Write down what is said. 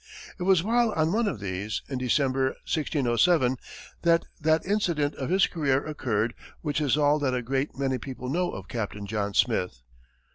It was while on one of these, in December, 1607, that that incident of his career occurred which is all that a great many people know of Captain John Smith.